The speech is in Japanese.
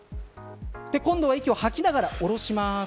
今度は息を吐きながらおろします。